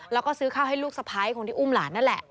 แล้วก็ซื้อข้าวให้ลูกสะพ้ายคนที่อุ้มหลานนั่นแหละ